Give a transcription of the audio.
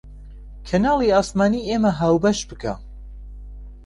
کەناڵی ئاسمانی ئێمە هاوبەش بکە